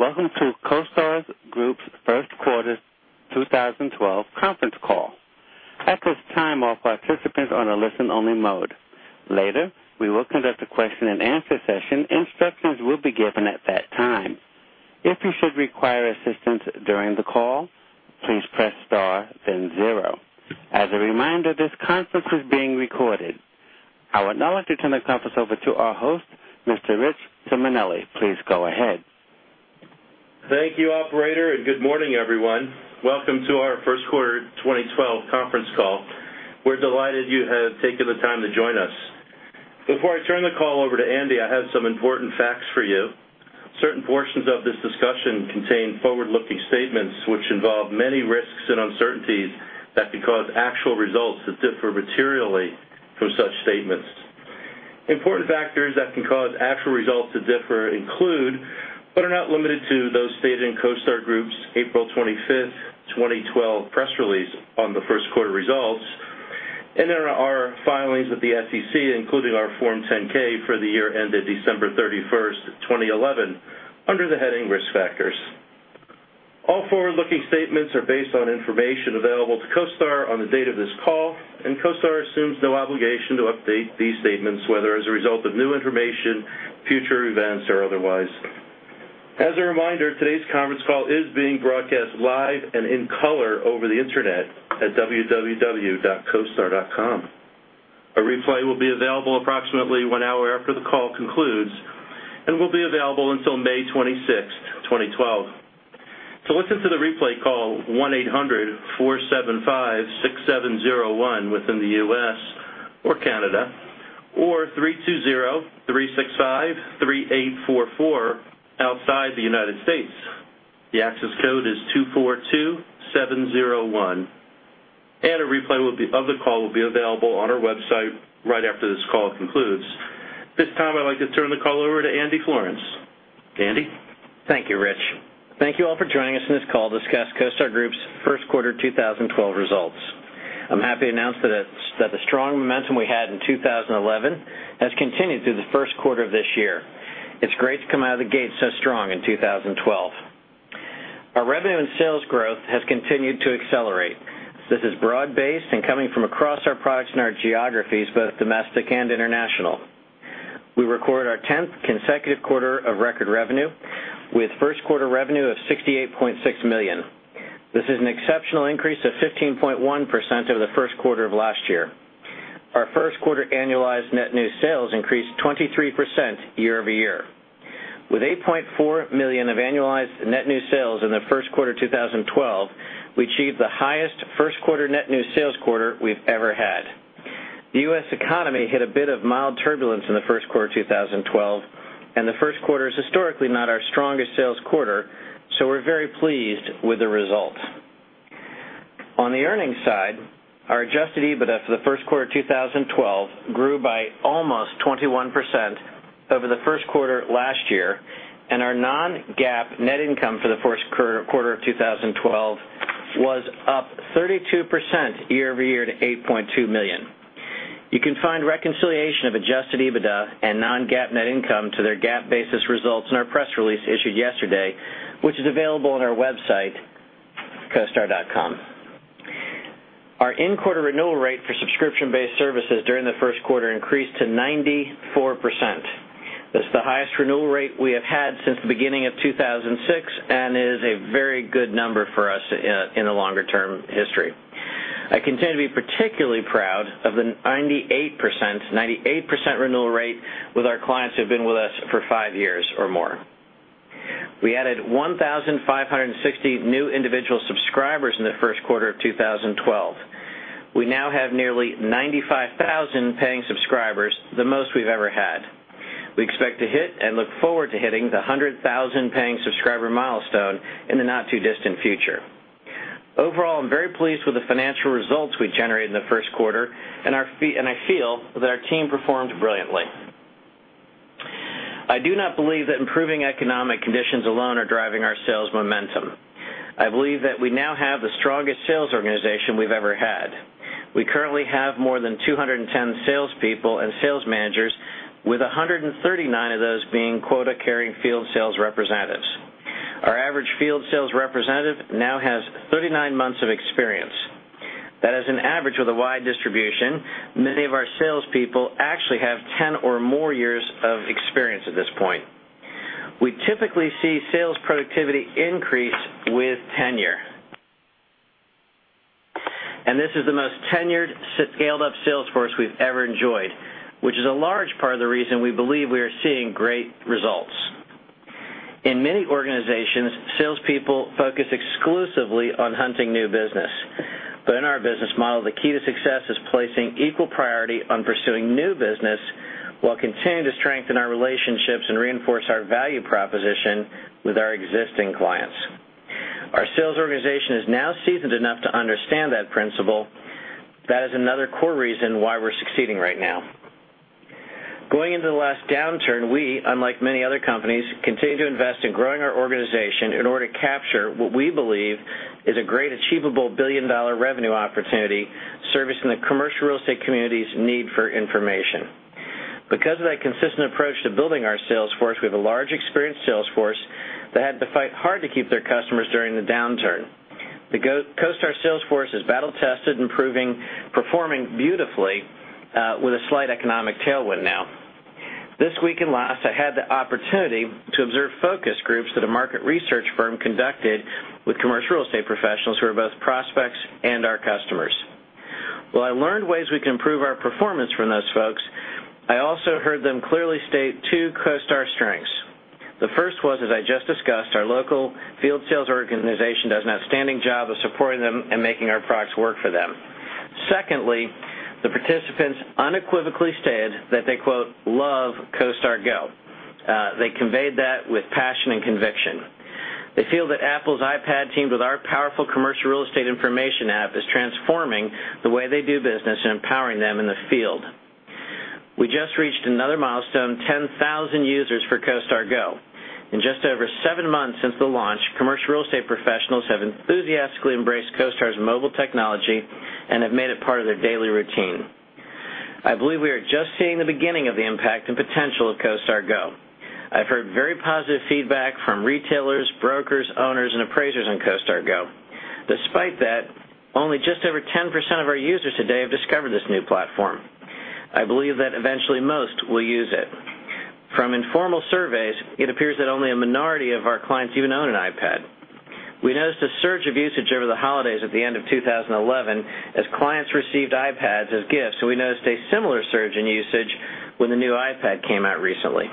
Welcome to CoStar Group's first quarter 2012 conference call. At this time, all participants are in a listen-only mode. Later, we will conduct a question-and-answer session. Instructions will be given at that time. If you should require assistance during the call, please press star, then zero. As a reminder, this conference is being recorded. I would now like to turn the conference over to our host, Mr. Rich Simonelli. Please go ahead. Thank you, operator, and good morning, everyone. Welcome to our first quarter 2012 conference call. We're delighted you have taken the time to join us. Before I turn the call over to Andy, I have some important facts for you. Certain portions of this discussion contain forward-looking statements, which involve many risks and uncertainties that can cause actual results to differ materially for such statements. Important factors that can cause actual results to differ include, but are not limited to, those stated in CoStar Group's April 25, 2012, press release on the first quarter results. There are our filings with the SEC, including our Form 10-K for the year ended December 31st, 2011, under the heading Risk Factors. All forward-looking statements are based on information available to CoStar on the date of this call, and CoStar assumes no obligation to update these statements, whether as a result of new information, future events, or otherwise. As a reminder, today's conference call is being broadcast live and in color over the internet at www.costar.com. A replay will be available approximately one hour after the call concludes and will be available until May 26th, 2012. To listen to the replay call, 1-800-475-6701 within the U.S. or Canada, or 320-365-3844 outside the United States. The access code is 242-701. A replay of the call will be available on our website right after this call concludes. At this time, I'd like to turn the call over to Andy Florance. Andy? Thank you, Rich. Thank you all for joining us on this call to discuss CoStar Group's first quarter 2012 results. I'm happy to announce that the strong momentum we had in 2011 has continued through the first quarter of this year. It's great to come out of the gate so strong in 2012. Our revenue and sales growth has continued to accelerate. This is broad-based and coming from across our products in our geographies, both domestic and international. We record our 10th consecutive quarter of record revenue, with first quarter revenue of $68.6 million. This is an exceptional increase of 15.1% over the first quarter of last year. Our first quarter annualized net new sales increased 23% year-over-year. With $8.4 million of annualized net new sales in the first quarter of 2012, we achieved the highest first quarter net new sales quarter we've ever had. The U.S. economy hit a bit of mild turbulence in the first quarter of 2012, and the first quarter is historically not our strongest sales quarter, so we're very pleased with the result. On the earnings side, our adjusted EBITDA for the first quarter of 2012 grew by almost 21% over the first quarter last year, and our non-GAAP net income for the first quarter of 2012 was up 32% year-over-year to $8.2 million. You can find reconciliation of adjusted EBITDA and non-GAAP net income to their GAAP basis results in our press release issued yesterday, which is available on our website, costar.com. Our in-quarter renewal rate for subscription-based services during the first quarter increased to 94%. That's the highest renewal rate we have had since the beginning of 2006 and is a very good number for us in a longer-term history. I continue to be particularly proud of the 98% renewal rate with our clients who have been with us for five years or more. We added 1,560 new individual subscribers in the first quarter of 2012. We now have nearly 95,000 paying subscribers, the most we've ever had. We expect to hit and look forward to hitting the 100,000 paying subscriber milestone in the not-too-distant future. Overall, I'm very pleased with the financial results we generated in the first quarter, and I feel that our team performed brilliantly. I do not believe that improving economic conditions alone are driving our sales momentum. I believe that we now have the strongest sales organization we've ever had. We currently have more than 210 salespeople and sales managers, with 139 of those being quota-carrying field sales representatives. Our average field sales representative now has 39 months of experience. That is an average with a wide distribution. Many of our salespeople actually have 10 or more years of experience at this point. We typically see sales productivity increase with tenure. This is the most tenured, scaled-up sales force we've ever enjoyed, which is a large part of the reason we believe we are seeing great results. In many organizations, salespeople focus exclusively on hunting new business. In our business model, the key to success is placing equal priority on pursuing new business while continuing to strengthen our relationships and reinforce our value proposition with our existing clients. Our sales organization is now seasoned enough to understand that principle. That is another core reason why we're succeeding right now. Going into the last downturn, we, unlike many other companies, continue to invest in growing our organization in order to capture what we believe is a great, achievable billion-dollar revenue opportunity servicing the commercial real estate community's need for information. Because of that consistent approach to building our sales force, we have a large experienced sales force that had to fight hard to keep their customers during the downturn. The CoStar sales force is battle-tested, improving, performing beautifully with a slight economic tailwind now. This week and last, I had the opportunity to observe focus groups that a market research firm conducted with commercial real estate professionals who are both prospects and our customers. While I learned ways we can improve our performance from those folks, I also heard them clearly state two CoStar strengths. The first was, as I just discussed, our local field sales organization does an outstanding job of supporting them and making our products work for them. Secondly, the participants unequivocally stated that they quote "love ." They conveyed that with passion and conviction. They feel that Apple's iPad teamed with our powerful commercial real estate information app is transforming the way they do business and empowering them in the field. We just reached another milestone: 10,000 users for CoStar Go. In just over seven months since the launch, commercial real estate professionals have enthusiastically embraced CoStar's mobile technology and have made it part of their daily routine. I believe we are just seeing the beginning of the impact and potential of CoStar Go. I've heard very positive feedback from retailers, brokers, owners, and appraisers on CoStar Go. Despite that, only just over 10% of our users today have discovered this new platform. I believe that eventually most will use it. From informal surveys, it appears that only a minority of our clients even own an iPad. We noticed a surge of usage over the holidays at the end of 2011 as clients received iPads as gifts, and we noticed a similar surge in usage when the new iPad came out recently.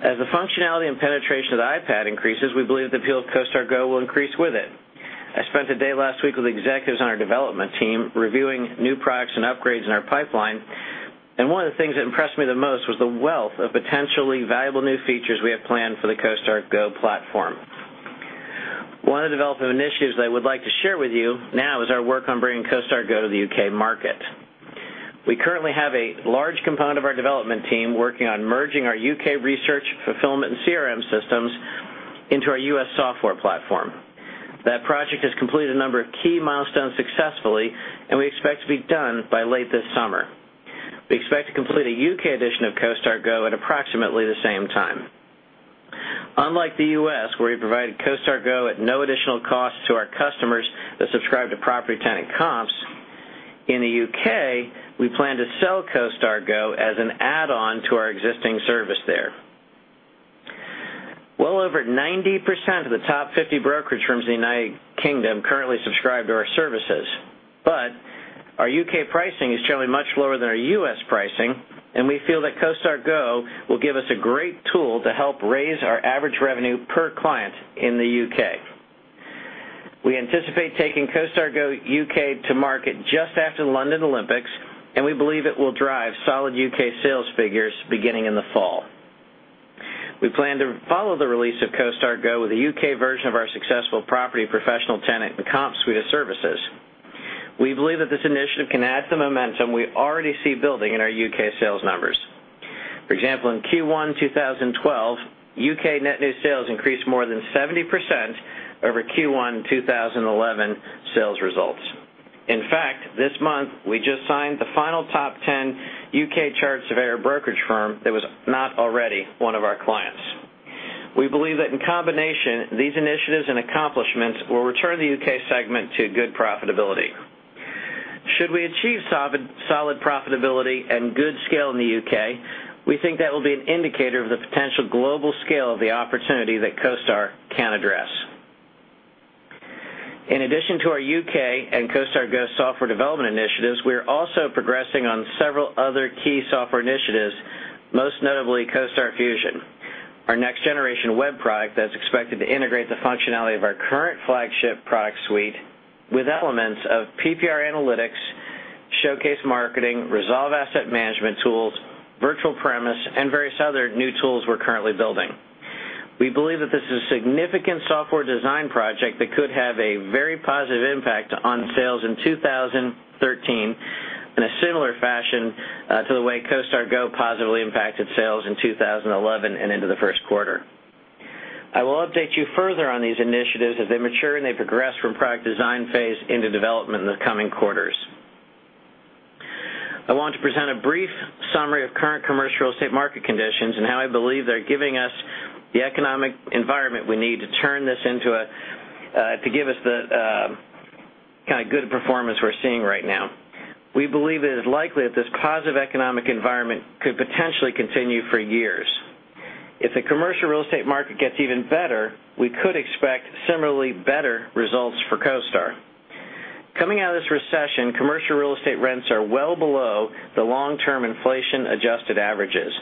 As the functionality and penetration of the iPad increases, we believe the appeal of CoStar Go will increase with it. I spent a day last week with executives on our development team reviewing new products and upgrades in our pipeline, and one of the things that impressed me the most was the wealth of potentially valuable new features we have planned for the CoStar Go platform. One of the development initiatives that I would like to share with you now is our work on bringing CoStar Go to the U.K. market. We currently have a large component of our development team working on merging our U.K. research, fulfillment, and CRM systems into our U.S. software platform. That project has completed a number of key milestones successfully, and we expect to be done by late this summer. We expect to complete a U.K. edition of CoStar Go at approximately the same time. Unlike the U.S., where we provide CoStar Go at no additional cost to our customers that subscribe to property, tenant, and comps, in the U.K., we plan to sell CoStar Go as an add-on to our existing service there. Over 90% of the top 50 brokerage firms in the United Kingdom currently subscribe to our services. Our U.K. pricing is generally much lower than our U.S. pricing, and we feel that CoStar Go will give us a great tool to help raise our average revenue per client in the U.K. We anticipate taking CoStar Go U.K. to market just after the London Olympics, and we believe it will drive solid U.K. sales figures beginning in the fall. We plan to follow the release of CoStar Go with a U.K. version of our successful property, professional, tenant, and comp suite of services. We believe that this initiative can add to the momentum we already see building in our U.K. sales numbers. For example, in Q1 2012, U.K. net new sales increased more than 70% over Q1 2011 sales results. In fact, this month, we just signed the final top 10 U.K. chart surveyor brokerage firm that was not already one of our clients. We believe that in combination, these initiatives and accomplishments will return the U.K. segment to good profitability. Should we achieve solid profitability and good scale in the U.K., we think that will be an indicator of the potential global scale of the opportunity that CoStar can address. In addition to our U.K. and CoStar Go software development initiatives, we are also progressing on several other key software initiatives, most notably CoStar Fusion, our next-generation web product that is expected to integrate the functionality of our current flagship product suite with elements of PPR analytics, showcase marketing, resolve asset management tools, virtual premise, and various other new tools we're currently building. We believe that this is a significant software design project that could have a very positive impact on sales in 2013 in a similar fashion to the way CoStar Go positively impacted sales in 2011 and into the first quarter. I will update you further on these initiatives as they mature and they progress from product design phase into development in the coming quarters. I want to present a brief summary of current commercial real estate market conditions and how I believe they're giving us the economic environment we need to give us the kind of good performance we're seeing right now. We believe it is likely that this positive economic environment could potentially continue for years. If the commercial real estate market gets even better, we could expect similarly better results for CoStar. Coming out of this recession, commercial real estate rents are well below the long-term inflation-adjusted averages.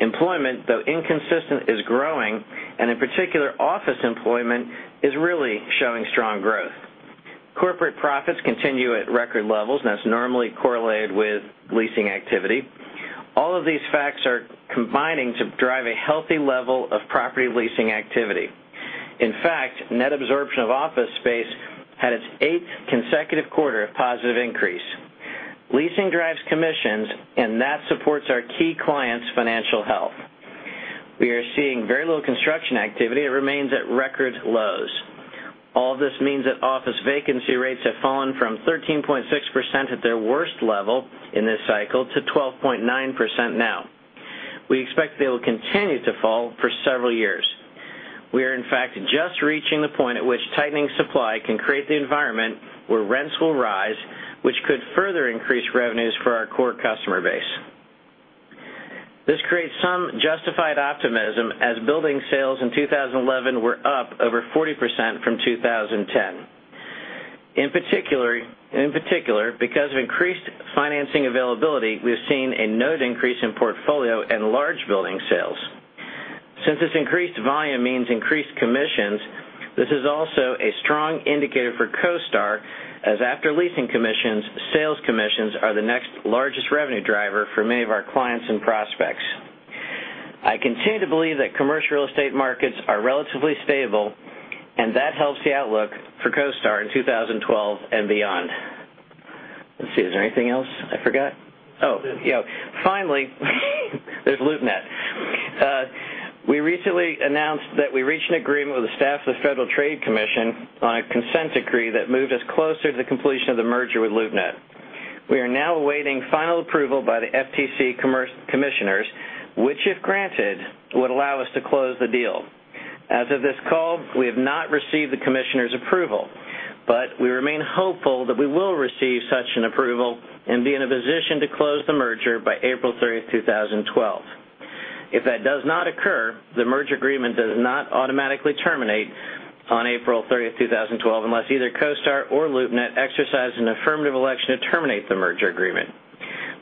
Employment, though inconsistent, is growing, and in particular, office employment is really showing strong growth. Corporate profits continue at record levels, and that's normally correlated with leasing activity. All of these facts are combining to drive a healthy level of property leasing activity. In fact, net absorption of office space had its eighth consecutive quarter of positive increase. Leasing drives commissions, and that supports our key clients' financial health. We are seeing very little construction activity, it remains at record lows. All of this means that office vacancy rates have fallen from 13.6% at their worst level in this cycle to 12.9% now. We expect that they will continue to fall for several years. We are, in fact, just reaching the point at which tightening supply can create the environment where rents will rise, which could further increase revenues for our core customer base. This creates some justified optimism, as building sales in 2011 were up over 40% from 2010. In particular, because of increased financing availability, we've seen a noted increase in portfolio and large building sales. Since this increased volume means increased commissions, this is also a strong indicator for CoStar, as after leasing commissions, sales commissions are the next largest revenue driver for many of our clients and prospects. I continue to believe that commercial real estate markets are relatively stable, and that helps the outlook for CoStar in 2012 and beyond. Let's see, is there anything else I forgot? Oh, yeah. Finally, there's LoopNet. We recently announced that we reached an agreement with the staff of the Federal Trade Commission on a consent decree that moved us closer to the completion of the merger with LoopNet. We are now awaiting final approval by the FTC commissioners, which, if granted, would allow us to close the deal. As of this call, we have not received the commissioners' approval, but we remain hopeful that we will receive such an approval and be in a position to close the merger by April 30, 2012. If that does not occur, the merger agreement does not automatically terminate on April 30, 2012, unless either CoStar or LoopNet exercise an affirmative election to terminate the merger agreement.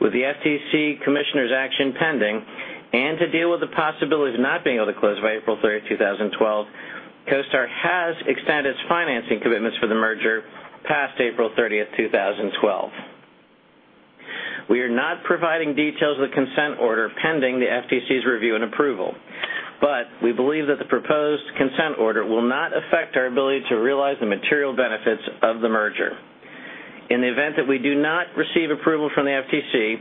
With the FTC commissioners' action pending and to deal with the possibility of not being able to close by April 30, 2012, CoStar has extended its financing commitments for the merger past April 30, 2012. We are not providing details of the consent order pending the FTC's review and approval, but we believe that the proposed consent order will not affect our ability to realize the material benefits of the merger. In the event that we do receive approval from the FTC,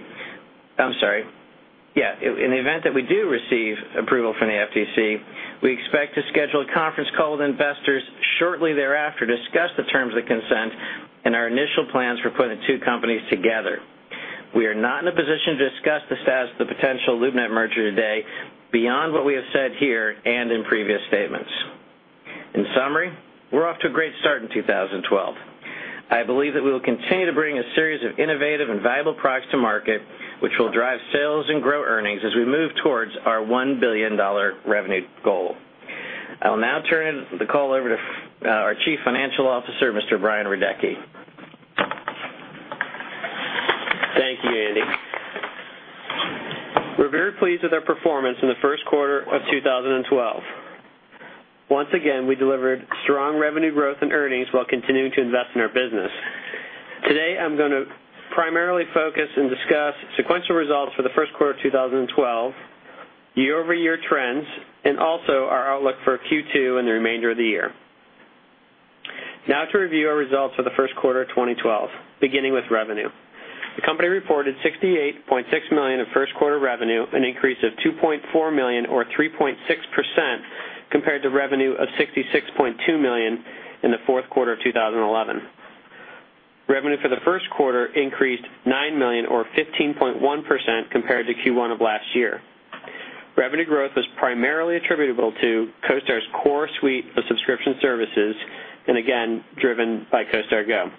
we expect to schedule a conference call with investors shortly thereafter to discuss the terms of the consent and our initial plans for putting the two companies together. We are not in a position to discuss the status of the potential LoopNet merger today beyond what we have said here and in previous statements. In summary, we're off to a great start in 2012. I believe that we will continue to bring a series of innovative and valuable products to market, which will drive sales and grow earnings as we move towards our $1 billion revenue goal. I'll now turn the call over to our Chief Financial Officer, Mr. Brian Radecki. Thank you, Andy. We're very pleased with our performance in the first quarter of 2012. Once again, we delivered strong revenue growth and earnings while continuing to invest in our business. Today, I'm going to primarily focus and discuss sequential results for the first quarter of 2012, year-over-year trends, and also our outlook for Q2 and the remainder of the year. Now to review our results for the first quarter of 2012, beginning with revenue. The company reported $68.6 million of first quarter revenue, an increase of $2.4 million or 3.6% compared to revenue of $66.2 million in the fourth quarter of 2011. Revenue for the first quarter increased $9 million or 15.1% compared to Q1 of last year. Revenue growth was primarily attributable to CoStar's core suite of subscription services and, again, driven by CoStar Go.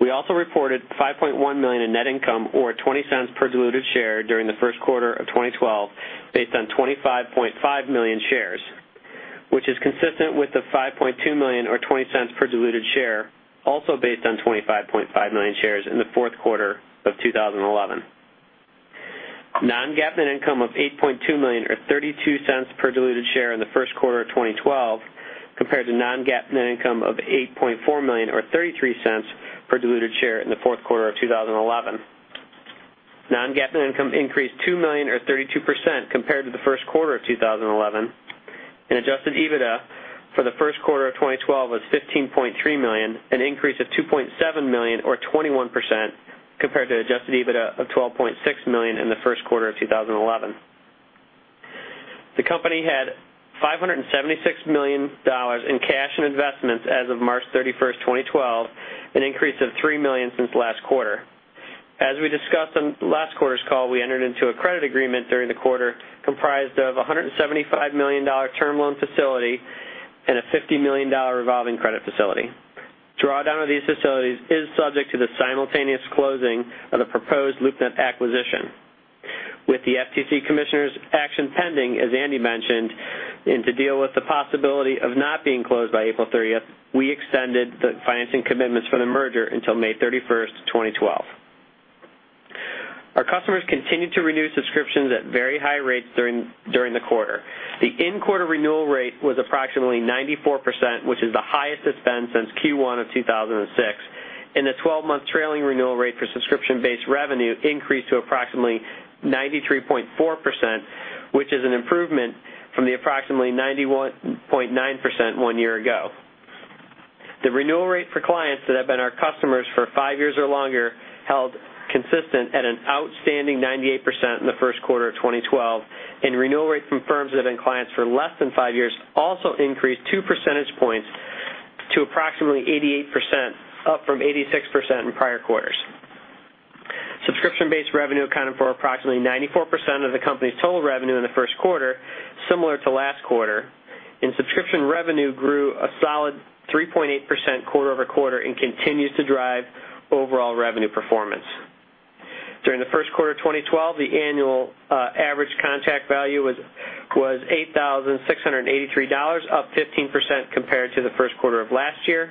We also reported $5.1 million in net income or $0.20 per diluted share during the first quarter of 2012, based on 25.5 million shares, which is consistent with the $5.2 million or $0.20 per diluted share, also based on 25.5 million shares in the fourth quarter of 2011. Non-GAAP net income of $8.2 million or $0.32 per diluted share in the first quarter of 2012 compared to non-GAAP net income of $8.4 million or $0.33 per diluted share in the fourth quarter of 2011. Non-GAAP net income increased $2 million or 32% compared to the first quarter of 2011, and adjusted EBITDA for the first quarter of 2012 was $15.3 million, an increase of $2.7 million or 21% compared to adjusted EBITDA of $12.6 million in the first quarter of 2011. The company had $576 million in cash and investments as of March 31, 2012, an increase of $3 million since last quarter. As we discussed on last quarter's call, we entered into a credit agreement during the quarter comprised of a $175 million term loan facility and a $50 million revolving credit facility. Drawdown of these facilities is subject to the simultaneous closing of the proposed LoopNet acquisition. With the FTC commissioner's action pending, as Andy mentioned, and to deal with the possibility of not being closed by April 30, we extended the financing commitments for the merger until May 31, 2012. Our customers continue to renew subscriptions at very high rates during the quarter. The in-quarter renewal rate was approximately 94%, which is the highest it's been since Q1 of 2006, and the 12-month trailing renewal rate for subscription-based revenue increased to approximately 93.4%, which is an improvement from the approximately 91.9% one year ago. The renewal rate for clients that have been our customers for five years or longer held consistent at an outstanding 98% in the first quarter of 2012, and the renewal rate from firms that have been clients for less than five years also increased two percentage points to approximately 88%, up from 86% in prior quarters. Subscription-based revenue accounted for approximately 94% of the company's total revenue in the first quarter, similar to last quarter, and subscription revenue grew a solid 3.8% quarter-over-quarter and continues to drive overall revenue performance. During the first quarter of 2012, the annual average contract value was $8,683, up 15% compared to the first quarter of last year,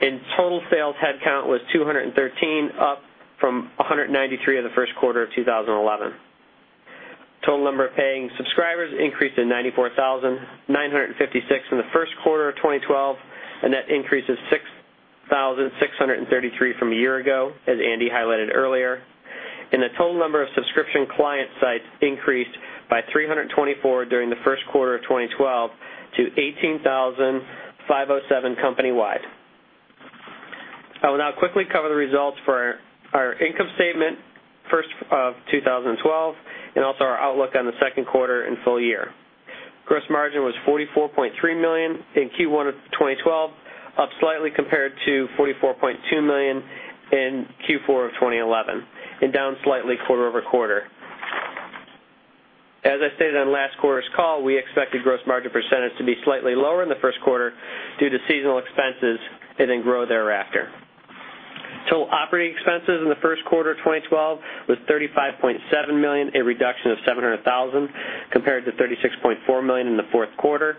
and total sales headcount was $213, up from $193 of the first quarter of 2011. The total number of paying subscribers increased to 94,956 in the first quarter of 2012, and that increase is 6,633 from a year ago, as Andy highlighted earlier. The total number of subscription client sites increased by 324 during the first quarter of 2012 to 18,507 company-wide. I will now quickly cover the results for our income statement, first of 2012, and also our outlook on the second quarter and full year. Gross margin was $44.3 million in Q1 of 2012, up slightly compared to $44.2 million in Q4 of 2011, and down slightly quarter-over-quarter. As I stated on last quarter's call, we expected gross margin percentage to be slightly lower in the first quarter due to seasonal expenses and then grow thereafter. Total operating expenses in the first quarter of 2012 was $35.7 million, a reduction of $700,000 compared to $36.4 million in the fourth quarter.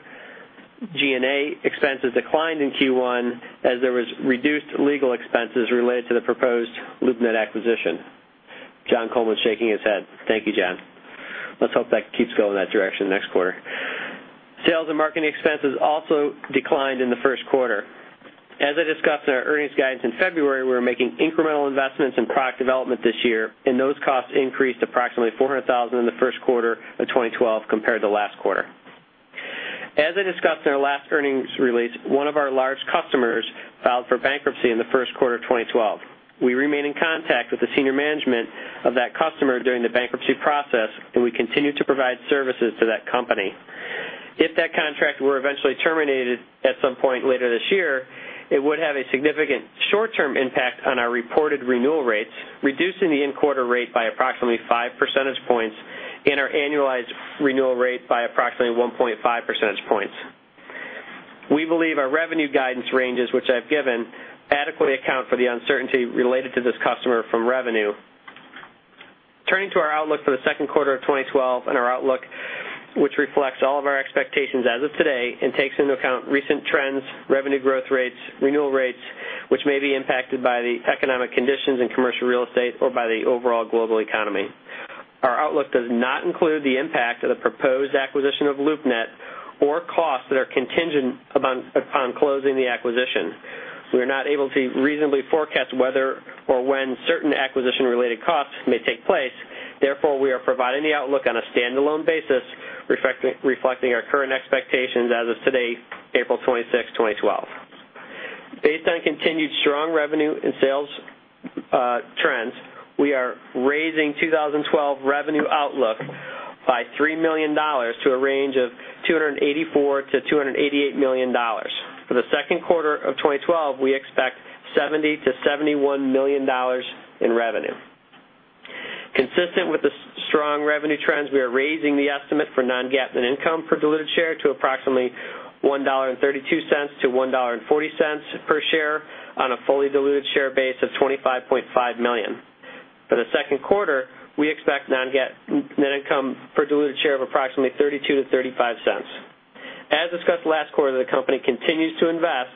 G&A expenses declined in Q1 as there were reduced legal expenses related to the proposed LoopNet acquisition. John Coleman's shaking his head. Thank you, John. Let's hope that keeps going in that direction in the next quarter. Sales and marketing expenses also declined in the first quarter. As I discussed in our earnings guidance in February, we were making incremental investments in product development this year, and those costs increased approximately $400,000 in the first quarter of 2012 compared to last quarter. As I discussed in our last earnings release, one of our large customers filed for bankruptcy in the first quarter of 2012. We remain in contact with the senior management of that customer during the bankruptcy process, and we continue to provide services to that company. If that contract were eventually terminated at some point later this year, it would have a significant short-term impact on our reported renewal rates, reducing the in-quarter rate by approximately five percentage points and our annualized renewal rate by approximately 1.5 percentage points. We believe our revenue guidance ranges, which I've given, adequately account for the uncertainty related to this customer from revenue. Turning to our outlook for the second quarter of 2012 and our outlook, which reflects all of our expectations as of today and takes into account recent trends, revenue growth rates, renewal rates, which may be impacted by the economic conditions in commercial real estate or by the overall global economy. Our outlook does not include the impact of the proposed acquisition of LoopNet or costs that are contingent upon closing the acquisition. We are not able to reasonably forecast whether or when certain acquisition-related costs may take place. Therefore, we are providing the outlook on a standalone basis, reflecting our current expectations as of today, April 26, 2012. Based on continued strong revenue and sales trends, we are raising 2012 revenue outlook by $3 million to a range of $284 million-$288 million. For the second quarter of 2012, we expect $70 million-$71 million in revenue. Consistent with the strong revenue trends, we are raising the estimate for non-GAAP net income per diluted share to approximately $1.32--$1.40 per share on a fully diluted share base of 25.5 million. For the second quarter, we expect non-GAAP net income per diluted share of approximately $0.32-$0.35. As discussed last quarter, the company continues to invest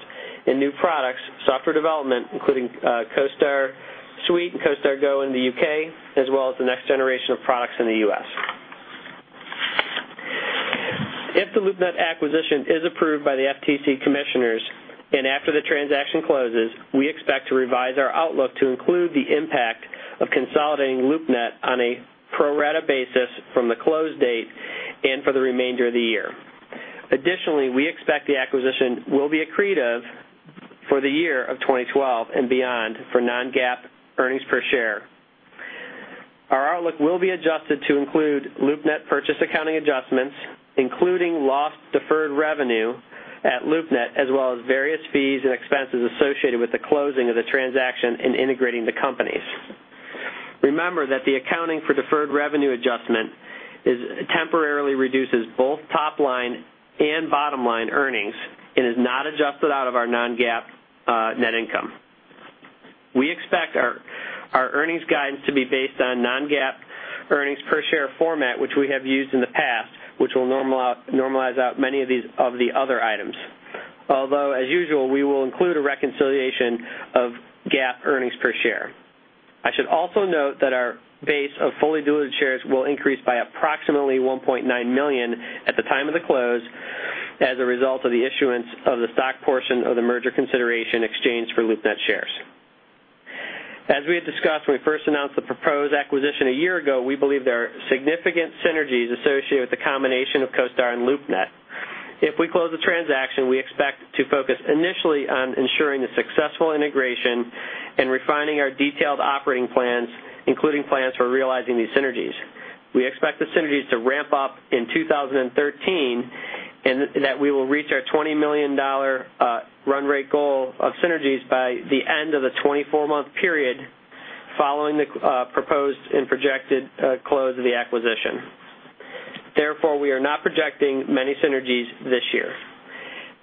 in new products, software development, including CoStar Suite and CoStar Go in the U.K., as well as the next generation of products in the US. If the LoopNet acquisition is approved by the Federal Trade Commission commissioners, and after the transaction closes, we expect to revise our outlook to include the impact of consolidating LoopNet on a pro-rata basis from the close date and for the remainder of the year. Additionally, we expect the acquisition will be accretive for the year of 2012 and beyond for non-GAAP earnings per share. Our outlook will be adjusted to include LoopNet purchase accounting adjustments, including lost deferred revenue at LoopNet, as well as various fees and expenses associated with the closing of the transaction and integrating the companies. Remember that the accounting for deferred revenue adjustment temporarily reduces both top line and bottom line earnings and is not adjusted out of our non-GAAP net income. We expect our earnings guidance to be based on non-GAAP earnings per share format, which we have used in the past, which will normalize out many of the other items. Although, as usual, we will include a reconciliation of GAAP earnings per share. I should also note that our base of fully diluted shares will increase by approximately 1.9 million at the time of the close as a result of the issuance of the stock portion of the merger consideration exchange for LoopNet shares. As we had discussed when we first announced the proposed acquisition a year ago, we believe there are significant synergies associated with the combination of CoStar and LoopNet. If we close the transaction, we expect to focus initially on ensuring the successful integration and refining our detailed operating plans, including plans for realizing these synergies. We expect the synergies to ramp up in 2013 and that we will reach our $20 million run rate goal of synergies by the end of the 24-month period following the proposed and projected close of the acquisition. Therefore, we are not projecting many synergies this year.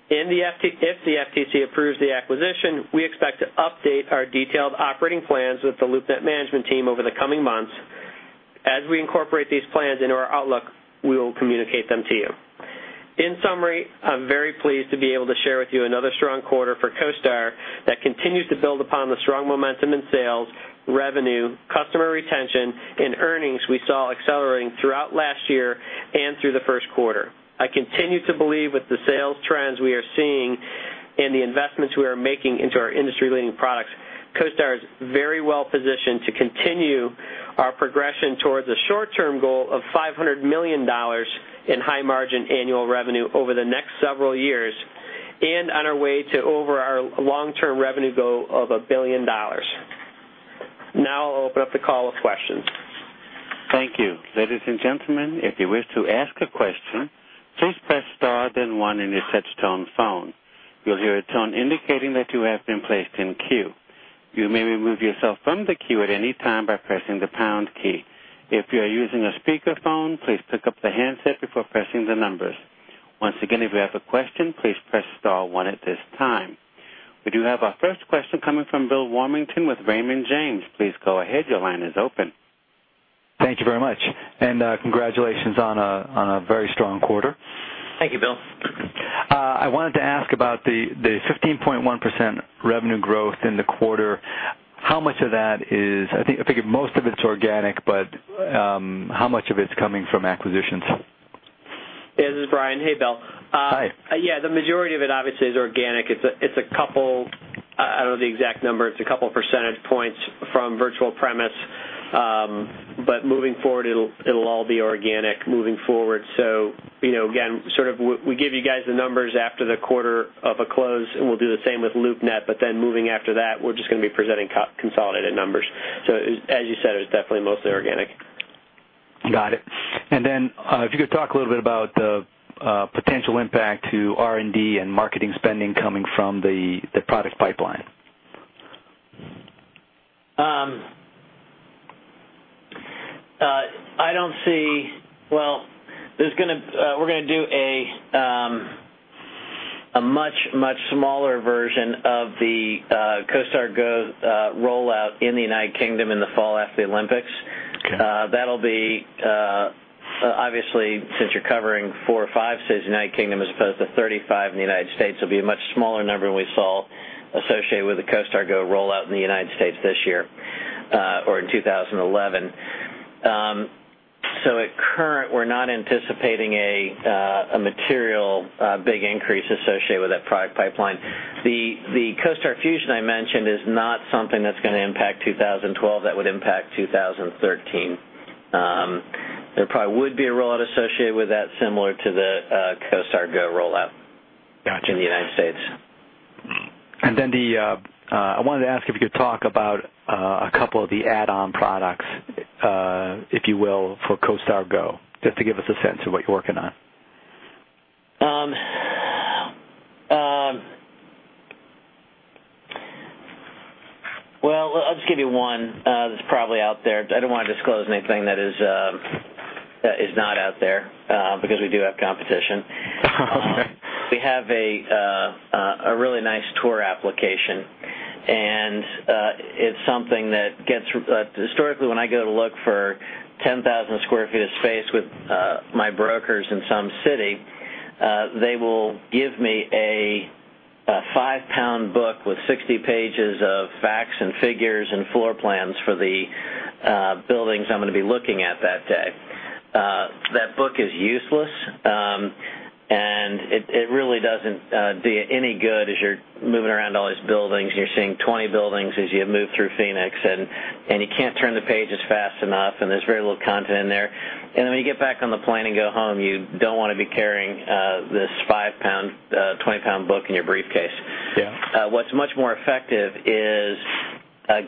If the FTC approves the acquisition, we expect to update our detailed operating plans with the LoopNet management team over the coming months. As we incorporate these plans into our outlook, we will communicate them to you. In summary, I'm very pleased to be able to share with you another strong quarter for CoStar that continues to build upon the strong momentum in sales, revenue, customer retention, and earnings we saw accelerating throughout last year and through the first quarter. I continue to believe with the sales trends we are seeing and the investments we are making into our industry-leading products, CoStar is very well positioned to continue our progression towards a short-term goal of $500 million in high margin annual revenue over the next several years and on our way to over our long-term revenue goal of $1 billion. Now I'll open up the call for questions. Thank you. Ladies and gentlemen, if you wish to ask a question, please press star then one on your touchtone phone. You'll hear a tone indicating that you have been placed in queue. You may remove yourself from the queue at any time by pressing the pound key. If you are using a speakerphone, please pick up the handset before pressing the numbers. Once again, if you have a question, please press star one at this time. We do have our first question coming from Bill Warmington with Raymond James. Please go ahead. Your line is open. Thank you very much. Congratulations on a very strong quarter. Thank you, Bill. I wanted to ask about the 15.1% revenue growth in the quarter. How much of that is, I think most of it's organic, but how much of it's coming from acquisitions? This is Brian. Hey, Bill. Hi. Yeah. The majority of it obviously is organic. It's a couple, I don't know the exact number, it's a couple % from virtual premise. Moving forward, it'll all be organic moving forward. You know, again, we give you guys the numbers after the quarter of a close, and we'll do the same with LoopNet. After that, we're just going to be presenting consolidated numbers. As you said, it's definitely mostly organic. Got it. If you could talk a little bit about the potential impact to R&D and marketing spending coming from the product pipeline. I don't see, we're going to do a much, much smaller version of the CoStar Go rollout in the United Kingdom in the fall after the Olympics. That'll be obviously since you're covering four or five cities in the United Kingdom as opposed to 35 in the United States. It'll be a much smaller number than we saw associated with the CoStar Go rollout in the United States this year or in 2011. At current, we're not anticipating a material big increase associated with that product pipeline. The CoStar Fusion I mentioned is not something that's going to impact 2012, that would impact 2013. There probably would be a rollout associated with that similar to the CoStar Go rollout in the United States. I wanted to ask if you could talk about a couple of the add-on products, if you will, for CoStar Go, just to give us a sense of what you're working on. I'll just give you one that's probably out there. I don't want to disclose anything that is not out there because we do have competition. We have a really nice tour application, and it's something that gets historically, when I go to look for 10,000 sq ft of space with my brokers in some city, they will give me a 5 lb book with 60 pages of facts and figures and floor plans for the buildings I'm going to be looking at that day. That book is useless, and it really doesn't do you any good as you're moving around all these buildings, and you're seeing 20 buildings as you move through Phoenix, and you can't turn the pages fast enough, and there's very little content in there. When you get back on the plane and go home, you don't want to be carrying this 5 lb, 20 lb book in your briefcase. What's much more effective is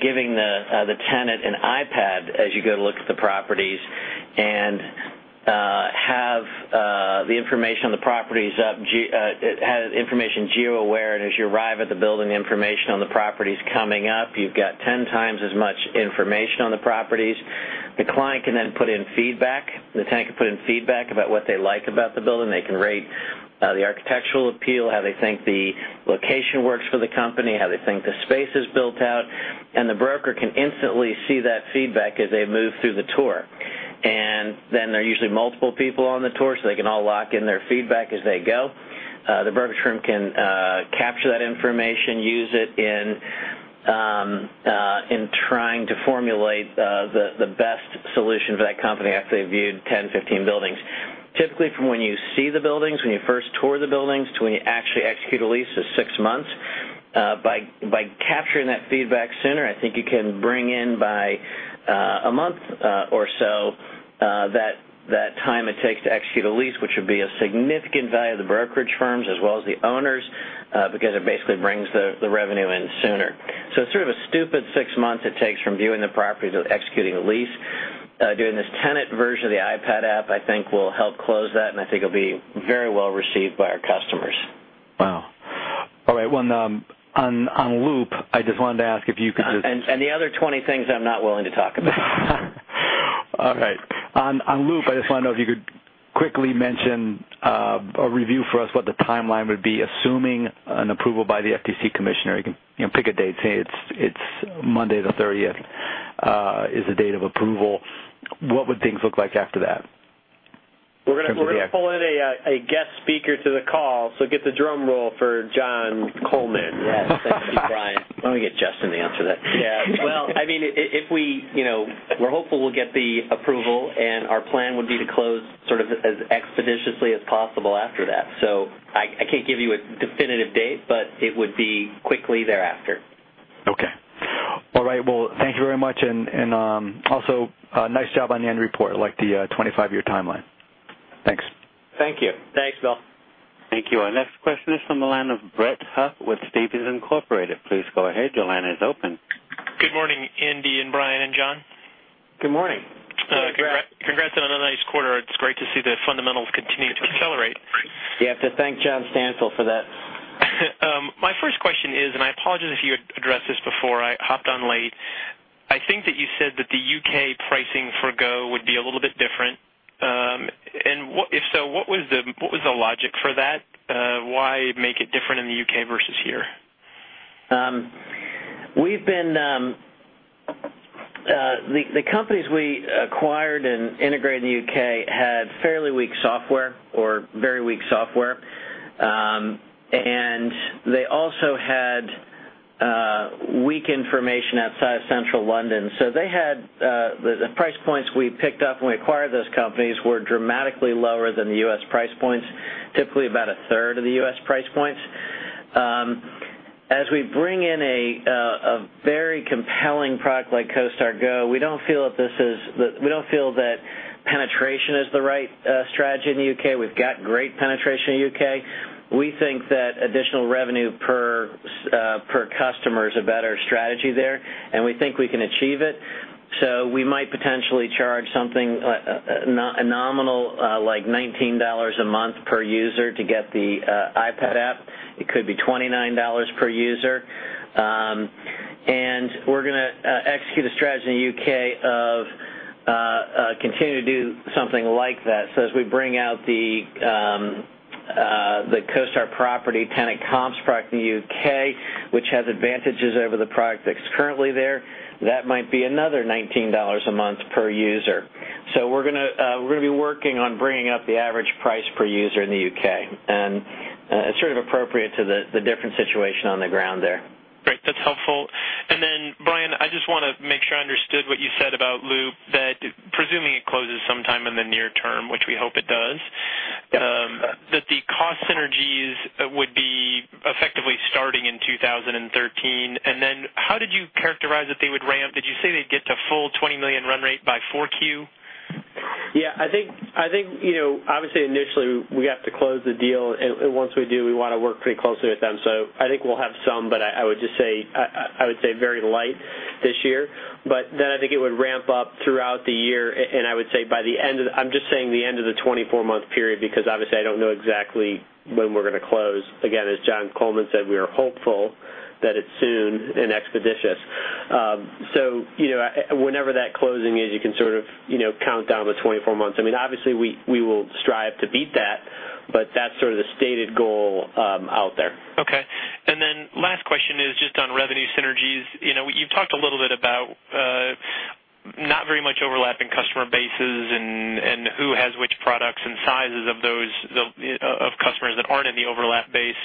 giving the tenant an iPad as you go to look at the properties and have the information on the properties up, have information geo-aware, and as you arrive at the building, the information on the properties coming up, you've got 10x as much information on the properties. The client can then put in feedback. The tenant can put in feedback about what they like about the building. They can rate the architectural appeal, how they think the location works for the company, how they think the space is built out, and the broker can instantly see that feedback as they move through the tour. There are usually multiple people on the tour, so they can all lock in their feedback as they go. The brokerage firm can capture that information, use it in trying to formulate the best solution for that company after they viewed 10, 15 buildings. Typically, from when you see the buildings, when you first tour the buildings, to when you actually execute a lease, it's six months. By capturing that feedback sooner, I think you can bring in by a month or so that time it takes to execute a lease, which would be a significant value of the brokerage firms as well as the owners because it basically brings the revenue in sooner. It's sort of a stupid six months it takes from viewing the property to executing a lease. Doing this tenant version of the iPad app, I think, will help close that, and I think it'll be very well received by our customers. Wow. All right. On Loop, I just wanted to ask if you could. The other 20 things I'm not willing to talk about. All right. On Loop, I just want to know if you could quickly mention or review for us what the timeline would be, assuming an approval by the FTC commissioner. You can pick a date. Say it's Monday the 30th is the date of approval. What would things look like after that? We're going to pull in a guest speaker to the call, so get the drum roll for John Coleman. Yes. Thank you, Brian. Let me get Justin to answer that. If we, you know, we're hopeful we'll get the approval, and our plan would be to close as expeditiously as possible after that. I can't give you a definitive date, but it would be quickly thereafter. Okay. All right. Thank you very much. Also, nice job on the end report. I like the 25-year timeline. Thanks. Thank you. Thanks, Bill. Thank you. Our next question is from the line of Brett Huff with Stephens Inc. Please go ahead. Your line is open. Good morning, Andy, Brian, and John. Good morning. Congrats on another nice quarter. It's great to see the fundamentals continue to accelerate. You have to thank John Campbell for that. My first question is, and I apologize if you addressed this before I hopped on late, I think that you said that the U.K. pricing for Go would be a little bit different. If so, what was the logic for that? Why make it different in the U.K. versus here? The companies we acquired and integrated in the U.K. had fairly weak software or very weak software, and they also had weak information outside of central London. The price points we picked up when we acquired those companies were dramatically lower than the U.S. price points, typically about a third of the U.S. price points. As we bring in a very compelling product like CoStar Go, we don't feel that penetration is the right strategy in the U.K. We've got great penetration in the U.K. We think that additional revenue per customer is a better strategy there, and we think we can achieve it. We might potentially charge something nominal like $19 a month per user to get the iPad app. It could be $29 per user. We're going to execute a strategy in the U.K. of continuing to do something like that. As we bring out the CoStar property tenant comps product in the U.K., which has advantages over the product that's currently there, that might be another $19 a month per user. We're going to be working on bringing up the average price per user in the U.K., and it's sort of appropriate to the different situation on the ground there. Great. That's helpful. Brian, I just want to make sure I understood what you said about LoopNet, that presuming it closes sometime in the near term, which we hope it does, that the cost synergies would be effectively starting in 2013. How did you characterize that they would ramp? Did you say they'd get to full $20 million run rate by 4Q? Yeah. I think, you know, obviously initially, we have to close the deal, and once we do, we want to work pretty closely with them. I think we'll have some, but I would just say very light this year. I think it would ramp up throughout the year, and I would say by the end of the, I'm just saying the end of the 24-month period because obviously I don't know exactly when we're going to close. As John Coleman said, we are hopeful that it's soon and expeditious. Whenever that closing is, you can sort of count down the 24 months. Obviously we will strive to beat that, but that's sort of the stated goal out there. Okay. Last question is just on revenue synergies. You know, you've talked a little bit about not very much overlapping customer bases and who has which products and sizes of those customers that aren't in the overlap base.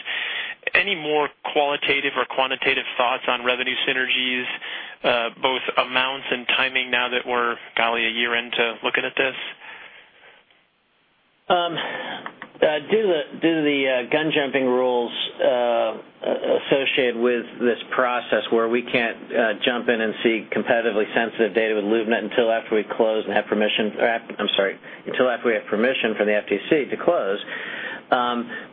Any more qualitative or quantitative thoughts on revenue synergies, both amounts and timing now that we're probably a year into looking at this? Due to the gun jumping rules associated with this process where we can't jump in and see competitively sensitive data with LoopNet until after we close and have permission, or I'm sorry, until after we have permission from the FTC to close,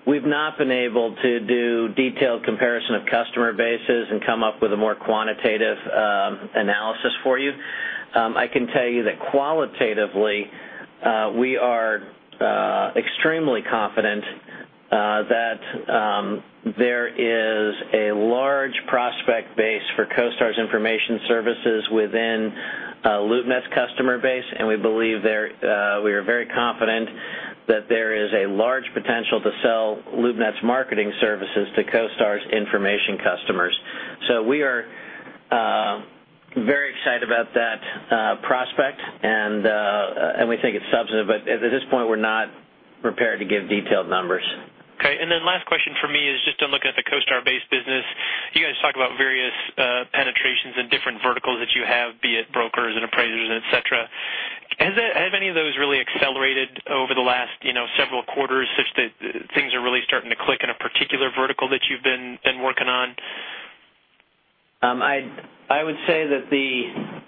we've not been able to do detailed comparison of customer bases and come up with a more quantitative analysis for you. I can tell you that qualitatively, we are extremely confident that there is a large prospect base for CoStar's information services within LoopNet's customer base, and we believe we are very confident that there is a large potential to sell LoopNet's marketing services to CoStar's Information Customers. We are very excited about that prospect, and we think it's substantive, but at this point, we're not prepared to give detailed numbers. Okay. Last question for me is just on looking at the CoStar-based business. You guys talk about various penetrations in different verticals that you have, be it brokers and appraisers, etc. Have any of those really accelerated over the last several quarters such that things are really starting to click in a particular vertical that you've been working on? I would say that the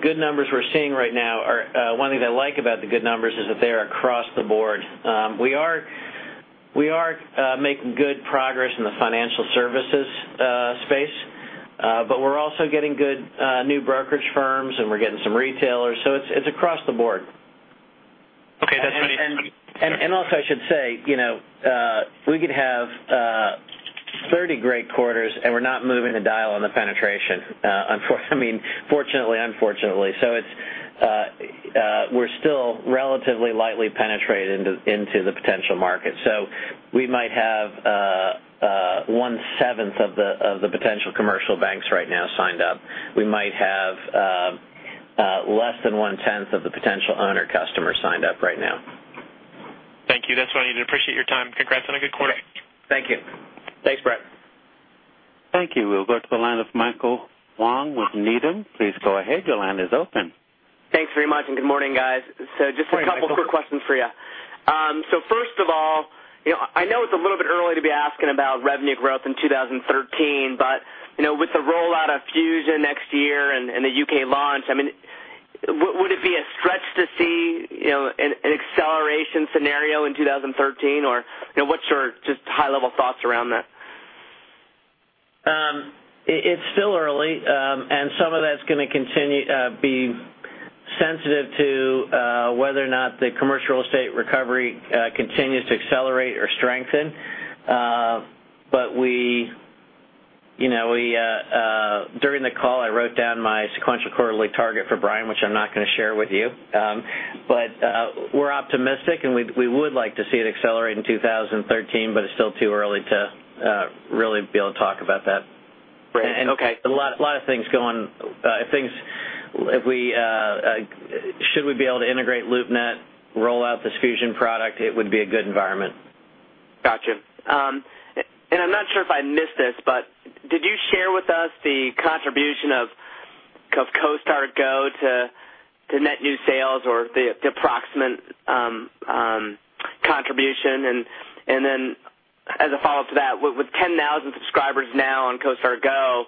good numbers we're seeing right now are, one of the things I like about the good numbers is that they are across the board. We are making good progress in the financial services space, but we're also getting good new brokerage firms, and we're getting some retailers. It's across the board. Okay, that's funny. I should say, you know, we could have 30 great quarters, and we're not moving the dial on the penetration, fortunately or unfortunately. We're still relatively lightly penetrated into the potential market. We might have 1/7 of the potential commercial banks right now signed up. We might have less than 1/10 of the potential owner-customer signed up right now. Thank you. I appreciate your time. Congrats on a good quarter. Thank you. Thanks, Brent. Thank you. We'll go to the line of Michael Wong with Needham. Please go ahead. Your line is open. Thanks very much, and good morning, guys. Just a couple of quick questions for you. First of all, I know it's a little bit early to be asking about revenue growth in 2013, but with the rollout of Fusion next year and the U.K. launch, would it be a stretch to see an acceleration scenario in 2013, or what's your just high-level thoughts around that? It's still early, and some of that's going to continue to be sensitive to whether or not the commercial real estate recovery continues to accelerate or strengthen. During the call, I wrote down my sequential quarterly target for Brian, which I'm not going to share with you. We're optimistic, and we would like to see it accelerate in 2013, but it's still too early to really be able to talk about that. Right. Okay. A lot of things go on. If we should be able to integrate LoopNet, roll out this Fusion product, it would be a good environment. Gotcha. I'm not sure if I missed this, but did you share with us the contribution of CoStar Go to net new sales or the approximate contribution? As a follow-up to that, with 10,000 subscribers now on CoStar Go,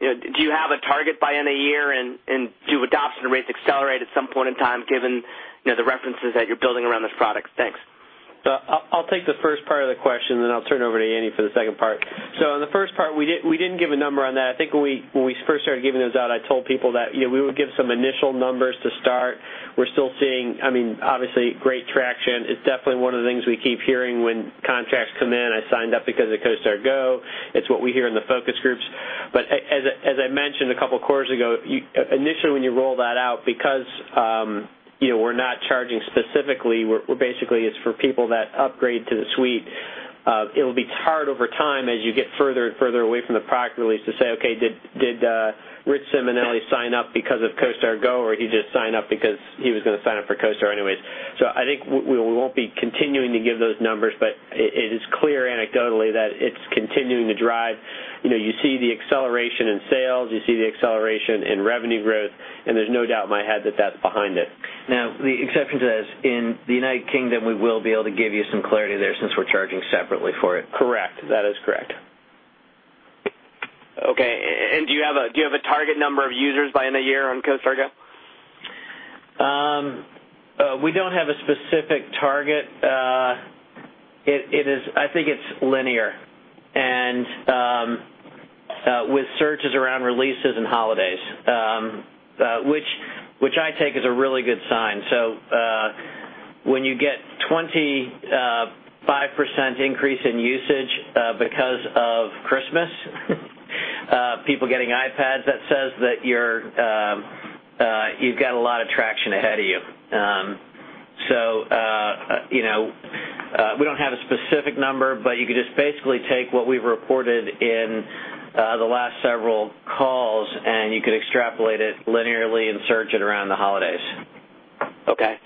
do you have a target by end of the year, and do adoption rates accelerate at some point in time given the references that you're building around this product? Thanks. I'll take the first part of the question, and then I'll turn it over to Andy for the second part. In the first part, we didn't give a number on that. I think when we first started giving those out, I told people that we would give some initial numbers to start. We're still seeing, obviously, great traction. It's definitely one of the things we keep hearing when contracts come in. I signed up because of CoStar Go. It's what we hear in the focus groups. As I mentioned a couple of quarters ago, initially, when you roll that out, because we're not charging specifically, we're basically, it's for people that upgrade to the suite. It'll be hard over time as you get further and further away from the product release to say, "Okay, did Rich Simonelli sign up because of CoStar Go, or did he just sign up because he was going to sign up for CoStar anyways?" I think we won't be continuing to give those numbers, but it is clear anecdotally that it's continuing to drive. You see the acceleration in sales, you see the acceleration in revenue growth, and there's no doubt in my head that that's behind it. Now, the exception to that is in the United Kingdom., we will be able to give you some clarity there, since we're charging separately for it. Correct. That is correct. Okay. Do you have a target number of users by end of the year on CoStar Go? We don't have a specific target. I think it's linear, and with searches around releases and holidays, which I take as a really good sign. When you get a 25% increase in usage because of Christmas, people getting iPads, that says that you've got a lot of traction ahead of you. We don't have a specific number, but you could just basically take what we've reported in the last several calls, and you could extrapolate it linearly and search it around the holidays. Okay.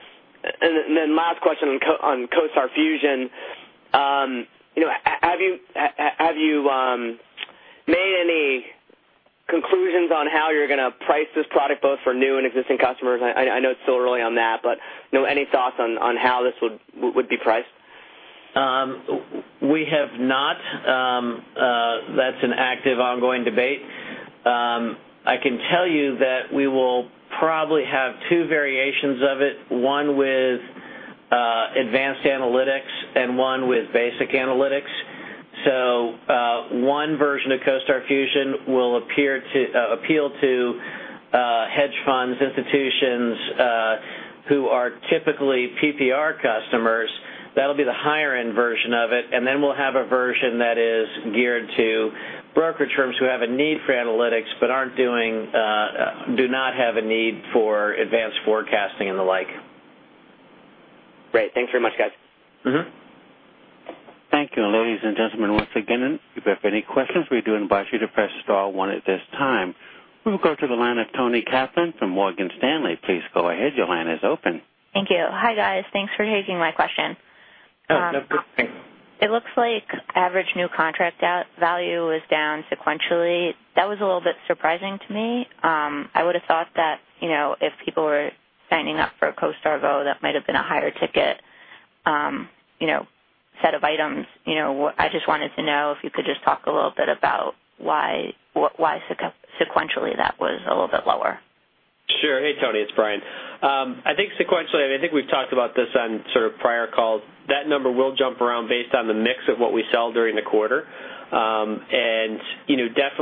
Last question on CoStar Fusion. Have you made any conclusions on how you're going to price this product both for new and existing customers? I know it's still early on that, but any thoughts on how this would be priced? We have not. That's an active ongoing debate. I can tell you that we will probably have two variations of it, one with advanced analytics and one with basic analytics. One version of CoStar Fusion will appeal to hedge funds, institutions who are typically PPR customers. That'll be the higher-end version of it. We will have a version that is geared to brokerage firms who have a need for analytics but do not have a need for advanced forecasting and the like. Great. Thanks very much, guys. Thank you, ladies and gentlemen. Once again, if you have any questions, we do invite you to press star one at this time. We will go to the line of Toni Kaplan from Morgan Stanley. Please go ahead. Your line is open. Thank you. Hi, guys. Thanks for taking my question. Oh, no problem. It looks like average new contract value was down sequentially. That was a little bit surprising to me. I would have thought that, you know, if people were signing up for CoStar Go, that might have been a higher ticket, you know, set of items. I just wanted to know if you could just talk a little bit about why sequentially that was a little bit lower. Sure. Hey, Toni. It's Brian. I think sequentially, and I think we've talked about this on prior calls, that number will jump around based on the mix of what we sell during the quarter.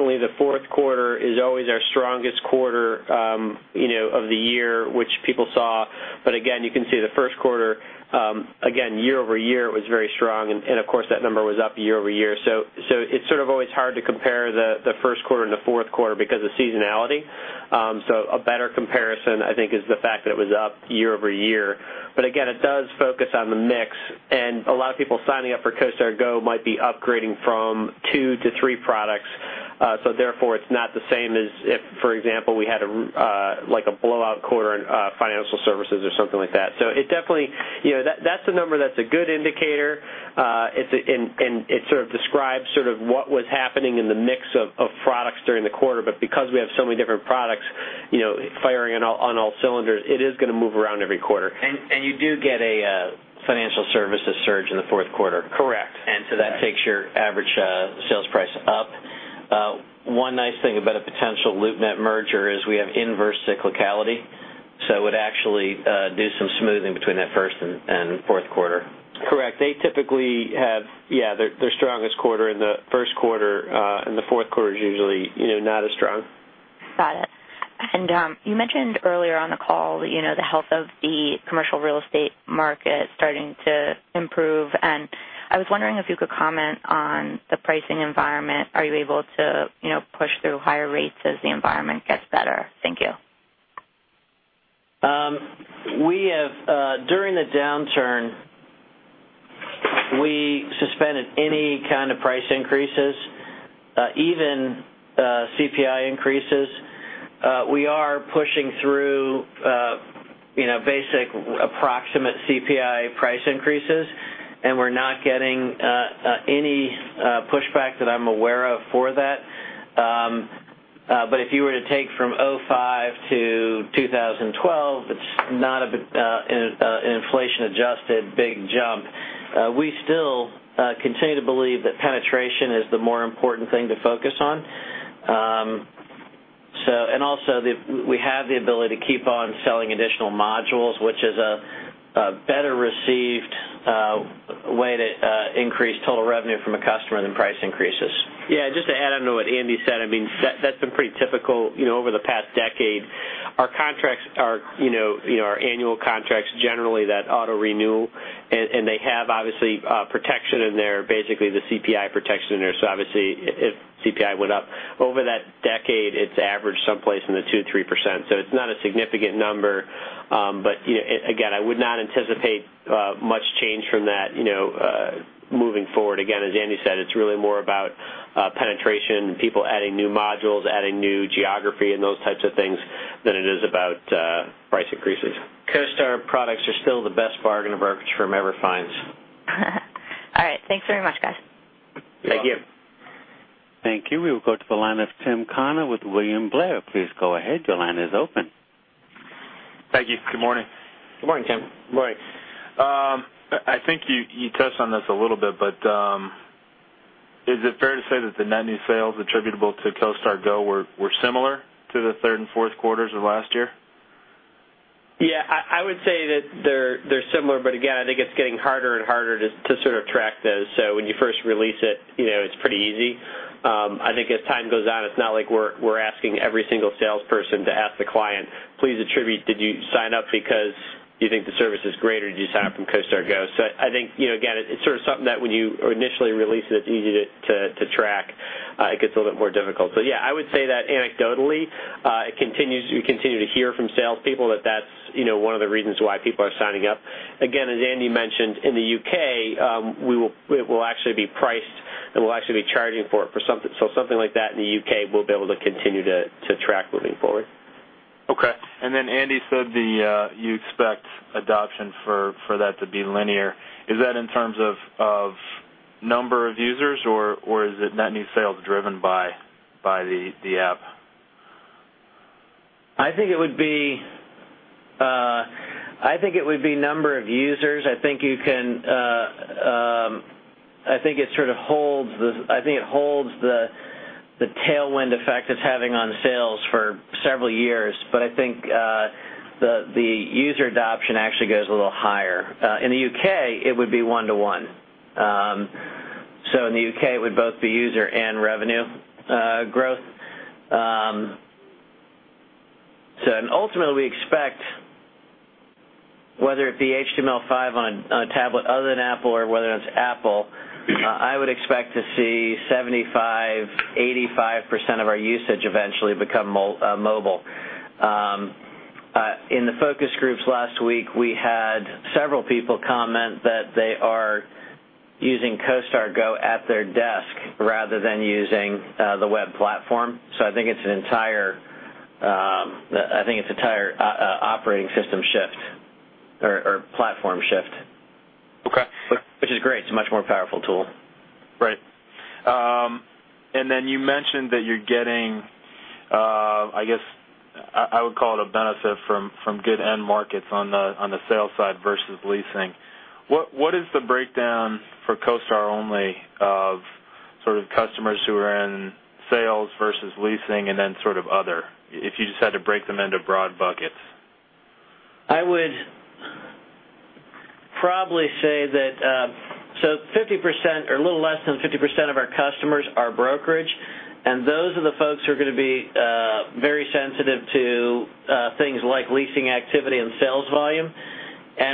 The fourth quarter is always our strongest quarter of the year, which people saw. You can see the first quarter, year-over-year, it was very strong. Of course, that number was up year-over-year. It's always hard to compare the first quarter and the fourth quarter because of seasonality. A better comparison, I think, is the fact that it was up year-over-year. It does focus on the mix. A lot of people signing up for CoStar Go might be upgrading from two to three products. Therefore, it's not the same as if, for example, we had a blowout quarter in financial services or something like that. That's a number that's a good indicator. It describes what was happening in the mix of products during the quarter. Because we have so many different products firing on all cylinders, it is going to move around every quarter. You do get a financial services surge in the fourth quarter. Correct. That takes your average sales price up. One nice thing about a potential LoopNet merger is we have inverse cyclicality. It would actually do some smoothing between that first and fourth quarter. Correct. They typically have their strongest quarter in the first quarter, and the fourth quarter is usually not as strong. Got it. You mentioned earlier on the call, you know, the health of the commercial real estate market starting to improve. I was wondering if you could comment on the pricing environment. Are you able to, you know, push through higher rates as the environment gets better? Thank you. During the downturn, we suspended any kind of price increases, even CPI increases. We are pushing through basic approximate CPI price increases, and we're not getting any pushback that I'm aware of for that. If you were to take from 2005 to 2012, it's not an inflation-adjusted big jump. We still continue to believe that penetration is the more important thing to focus on. We also have the ability to keep on selling additional modules, which is a better received way to increase total revenue from a customer than price increases. Yeah, just to add on to what Andy said, that's been pretty typical over the past decade. Our contracts are annual contracts generally that auto-renew, and they have obviously protection in there, basically the CPI protection in there. Obviously, if CPI went up over that decade, it's averaged someplace in the 2%-3%. It's not a significant number. Again, I would not anticipate much change from that moving forward. As Andy said, it's really more about penetration and people adding new modules, adding new geography, and those types of things than it is about price increases. CoStar products are still the best bargain a brokerage firm ever finds. All right. Thanks very much, guys. Thank you. Thank you. We will go to the line of Tim Conner with William Blair. Please go ahead. Your line is open. Thank you. Good morning. Good morning, Tim. Morning. I think you touched on this a little bit, but is it fair to say that the net new sales attributable to CoStar Go were similar to the third and fourth quarters of last year? Yeah. I would say that they're similar, but again, I think it's getting harder and harder to sort of track those. When you first release it, you know, it's pretty easy. I think as time goes on, it's not like we're asking every single salesperson to ask the client, "Please attribute, did you sign up because you think the service is great or did you sign up from CoStar Go?" I think, you know, again, it's sort of something that when you initially release it, it's easy to track. It gets a little bit more difficult. Yeah, I would say that anecdotally, we continue to hear from salespeople that that's, you know, one of the reasons why people are signing up. Again, as Andy mentioned, in the U.K., it will actually be priced, and we'll actually be charging for it. Something like that in the U.K., we'll be able to continue to track moving forward. Okay. Andy said you expect adoption for that to be linear. Is that in terms of number of users, or is it net new sales driven by the app? I think it would be number of users. I think it sort of holds the tailwind effect of having on sales for several years, but I think the user adoption actually goes a little higher. In the U.K., it would be one-to-one. In the U.K., it would both be user and revenue growth. Ultimately, we expect whether it be HTML5 on a tablet other than Apple or whether it's Apple, I would expect to see 75%-85% of our usage eventually become mobile. In the focus groups last week, we had several people comment that they are using CoStar Go at their desk rather than using the web platform. I think it's an entire operating system shift or platform shift. Okay. Which is great. It's a much more powerful tool. Right. You mentioned that you're getting, I guess I would call it a benefit from good end markets on the sales side versus leasing. What is the breakdown for CoStar only of customers who are in sales versus leasing and then other, if you just had to break them into broad buckets? I would probably say that 50% or a little less than 50% of our customers are brokerage, and those are the folks who are going to be very sensitive to things like leasing activity and sales volume.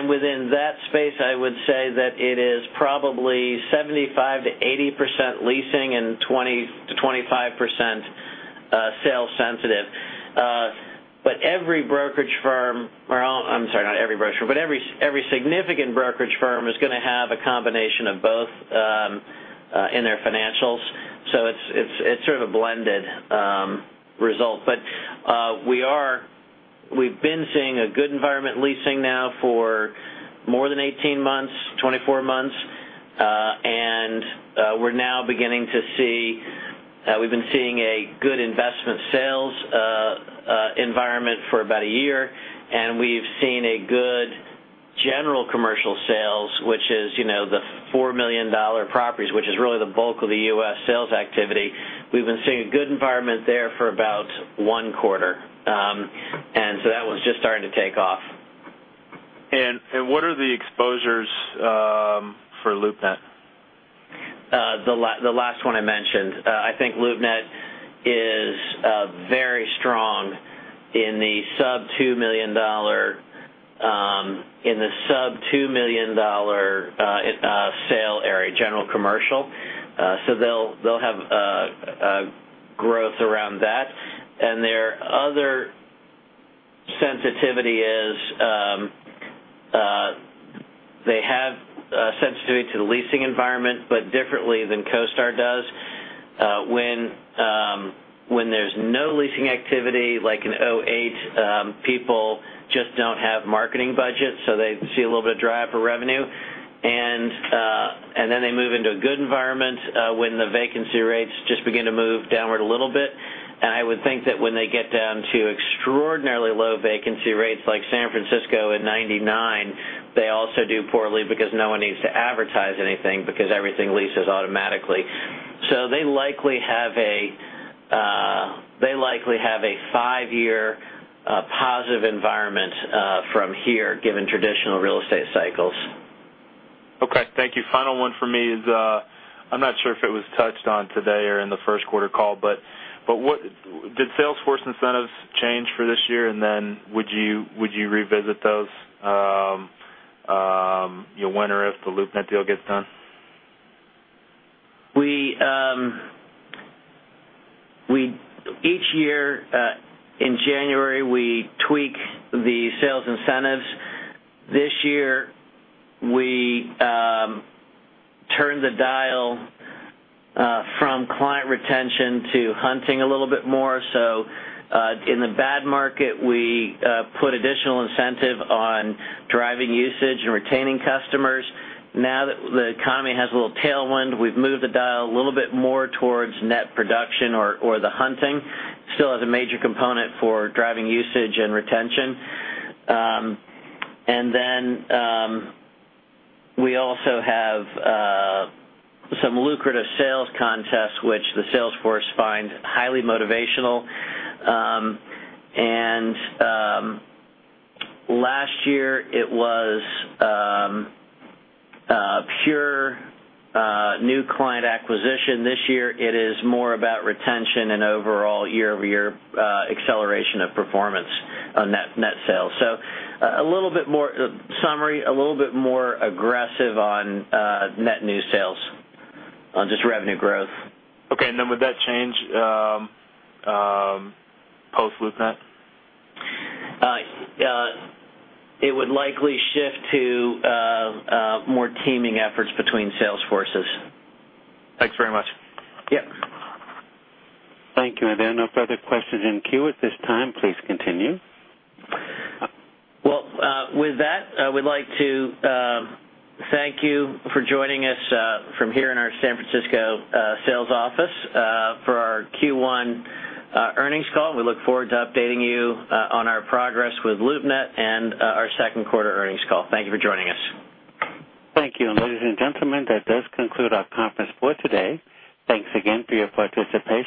Within that space, I would say that it is probably 75%-80% leasing and 20%-25% sales sensitive. Not every brokerage firm, but every significant brokerage firm is going to have a combination of both in their financials. It is sort of a blended result. We have been seeing a good environment in leasing now for more than 18 months, 24 months, and we are now beginning to see, we have been seeing a good investment sales environment for about a year, and we have seen a good general commercial sales, which is, you know, the $4 million properties, which is really the bulk of the U.S. sales activity. We have been seeing a good environment there for about one quarter. That one is just starting to take off. What are the exposures for LoopNet? The last one I mentioned. I think LoopNet is very strong in the sub-$2 million sale area, general commercial. They'll have growth around that. Their other sensitivity is they have sensitivity to the leasing environment, but differently than CoStar does. When there's no leasing activity, like in 2008, people just don't have marketing budgets, so they see a little bit of drive for revenue. They move into a good environment when the vacancy rates just begin to move downward a little bit. I would think that when they get down to extraordinarily low vacancy rates, like San Francisco in 1999, they also do poorly because no one needs to advertise anything because everything leases automatically. They likely have a five-year positive environment from here, given traditional real estate cycles. Okay. Thank you. Final one for me is, I'm not sure if it was touched on today or in the first quarter call, but did Salesforce incentives change for this year, and then would you revisit those when or if the LoopNet deal gets done? Each year, in January, we tweak the sales incentives. This year, we turned the dial from client retention to hunting a little bit more. In the bad market, we put additional incentive on driving usage and retaining customers. Now that the economy has a little tailwind, we've moved the dial a little bit more towards net production or the hunting. It still has a major component for driving usage and retention. We also have some lucrative sales contests, which the Salesforce finds highly motivational. Last year, it was pure new client acquisition. This year, it is more about retention and overall year-over-year acceleration of performance on net sales. A little bit more summary, a little bit more aggressive on net new sales, on just revenue growth. Okay. Would that change post-LoopNet? It would likely shift to more teaming efforts between sales forces. Thanks very much. Yep. Thank you. There are no further questions in queue at this time. Please continue. Thank you for joining us from here in our San Francisco sales office for our Q1 earnings call. We look forward to updating you on our progress with LoopNet and our second quarter earnings call. Thank you for joining us. Thank you, ladies and gentlemen. That does conclude our conference for today. Thanks again for your participation.